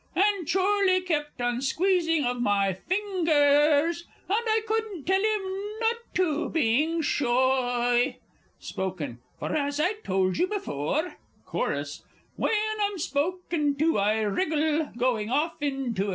"_ And Chorley kept on squeezing of my fingers, And I couldn't tell him not to, being shoy. Spoken For, as I told you before, Chorus When I'm spoken to, I wriggle, &c.